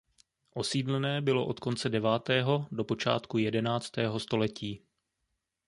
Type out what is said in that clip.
Osídlené bylo od konce devátého do počátku jedenáctého století.